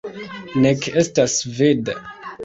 ... nek estas sveda